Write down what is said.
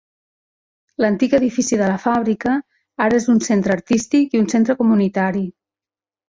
L'antic edifici de la fàbrica ara és un centre artístic i un centre comunitari.